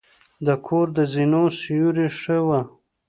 د کور د زینو سیوري ښه وه.